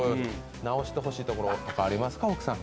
直してほしいところとかありますか、奥さん。